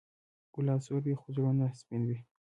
ګلاب سور وي، خو زړونه سپینوي.